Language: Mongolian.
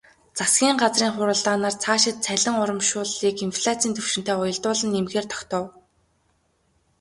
Засгийн газрын хуралдаанаар цаашид цалин урамшууллыг инфляцын түвшинтэй уялдуулан нэмэхээр тогтов.